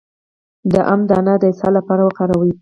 د ام دانه د اسهال لپاره وکاروئ